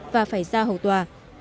và phải ra hậu tòa